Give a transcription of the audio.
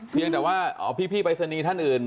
เพียงแต่ว่าเอาพี่ไปสนีท่านอื่น